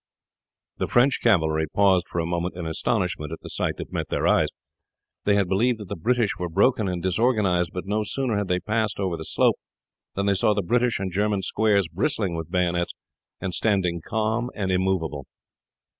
The French cavalry paused for a moment in astonishment at the sight that met their eyes. They had believed that the British were broken and disorganized, but no sooner had they passed over the slope than they saw the British and German squares bristling with bayonets and standing calm and immovable.